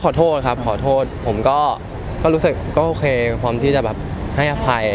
ขอโทษครับขอโทษผมก็รู้สึกก็โอเคพร้อมที่จะแบบให้อภัย